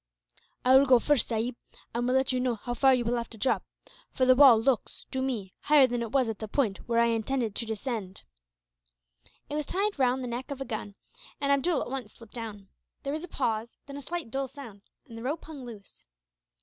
"I will go first, sahib, and will let you know how far you will have to drop; for the wall looks, to me, higher than it was at the point where I intended to descend." [Illustration: Abdool at once slipped down.] It was tied round the neck of a gun, and Abdool at once slipped down. There was a pause, then a slight dull sound, and the rope hung loose.